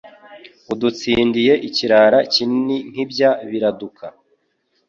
Udutsindiye ikirari Kinini nk’ ibya Biraduka,